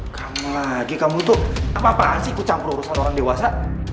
kamu lagi kamu itu apaan sih kucampur urusan orang dewasa